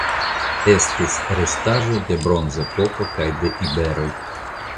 Estis restaĵoj de Bronzepoko kaj de iberoj.